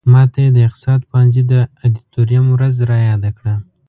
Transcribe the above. ماته یې د اقتصاد پوهنځي د ادیتوریم ورځ را یاده کړه.